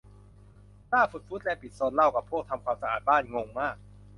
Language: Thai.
ล่าสุดฟูดแลนด์ปิดโซนเหล้ากับพวกทำความสะอาดบ้าน งงมาก